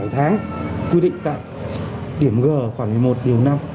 một mươi bảy tháng quy định tại điểm g khoảng một mươi một điều năm